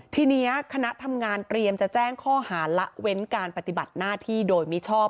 ทีนี้คณะทำงานเตรียมจะแจ้งข้อหาละเว้นการปฏิบัติหน้าที่โดยมิชอบ